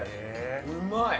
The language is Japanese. うまい！